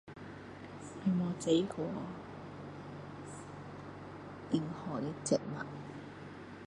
我没有种过， [unintelligible]